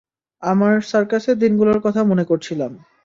আমার সার্কাসের দিনগুলোর কথা মনে করছিলাম।